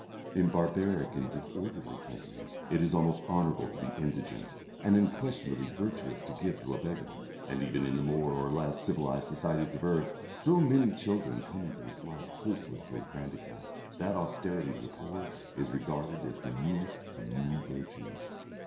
In barbaric and disorderly countries it is almost honourable to be indigent and unquestionably virtuous to give to a beggar, and even in the more or less civilised societies of earth, so many children come into life hopelessly handicapped, that austerity to the poor is regarded as the meanest of mean virtues.